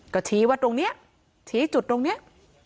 ก็ชี้ว่าตรงนี้ชี้จุดตรงนี้